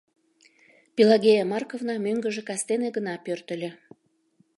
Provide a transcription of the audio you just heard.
Пелагея Марковна мӧҥгыжӧ кастене гына пӧртыльӧ.